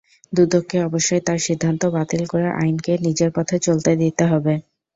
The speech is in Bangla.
দুদককে অবশ্যই তার সিদ্ধান্ত বাতিল করে আইনকে নিজের পথে চলতে দিতে হবে।